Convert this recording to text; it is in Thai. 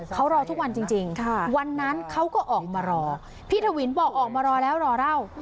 เขารอทุกวันจริงวันนั้นเขาก็ออกมารอพี่ทวินบอกออกมารอแล้วรอเล่า